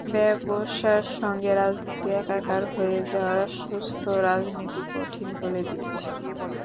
ব্যবসার সঙ্গে রাজনীতি একাকার হয়ে যাওয়া সুস্থ রাজনীতি কঠিন করে দিয়েছে।